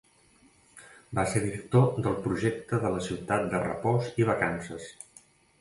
Va ser director del projecte de la Ciutat de Repòs i Vacances.